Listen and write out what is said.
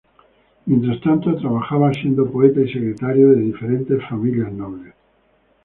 Mientras tanto trabajaba siendo poeta y secretario de diferentes familias nobles.